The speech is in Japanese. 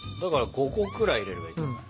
５個くらい入れればいいかな。